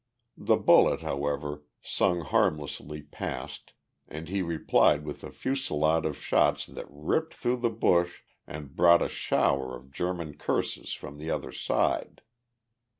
The bullet, however, sung harmlessly past and he replied with a fusillade of shots that ripped through the bush and brought a shower of German curses from the other side.